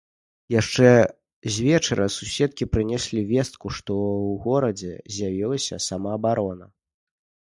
Яшчэ з вечара суседкі прынеслі вестку, што ў горадзе з'явілася самаабарона.